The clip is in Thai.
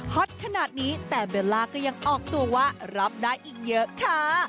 ฮอตขนาดนี้แต่เบลล่าก็ยังออกตัวว่ารับได้อีกเยอะค่ะ